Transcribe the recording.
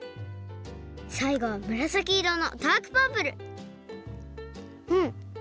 さいごはむらさき色のダークパープルうん！